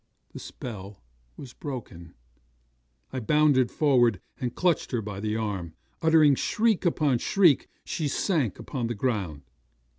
The spell was broken. I bounded forward, and clutched her by the arm. Uttering shriek upon shriek, she sank upon the ground.